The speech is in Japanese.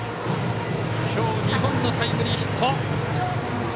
今日、２本のタイムリーヒット！